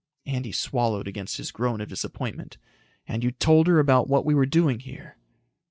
Andy swallowed against his groan of disappointment. "And you told her about what we were doing here."